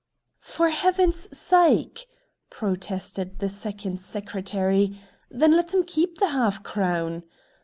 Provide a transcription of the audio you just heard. "For Heaven's sake!" protested the Second Secretary, "then let him keep the half crown.